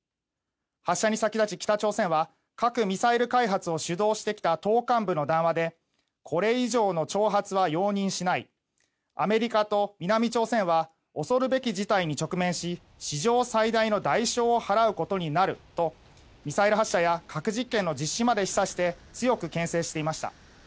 発射に先立ち、北朝鮮は核・ミサイル開発を主導してきた党幹部の談話でこれ以上の挑発は容認しないアメリカと南朝鮮は恐るべき事態に直面し史上最大の代償を払うことになるとミサイル発射や核実験の実施まで示唆して強くけん制していました。